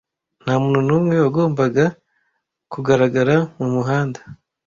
Ntamuntu numwe wagombaga kugaragara mumuhanda.